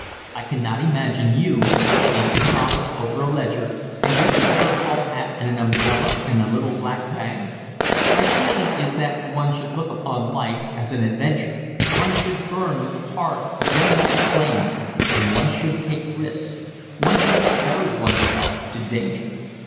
I cannot imagine you sitting in an office over a ledger, and do you wear a tall hat and an umbrella and a little black bag? My feeling is that one should look upon life as an adventure, one should burn with the hard, gem like flame, and one should take risks, one should expose oneself to danger.